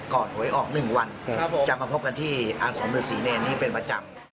หวยออก๑วันจะมาพบกันที่อาสมฤษีเนรนี้เป็นประจำ